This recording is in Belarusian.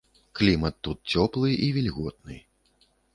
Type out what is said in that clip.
Клімат тут цёплы і вільготны.